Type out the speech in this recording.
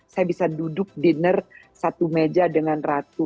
saya bisa duduk dinner satu meja dengan ratu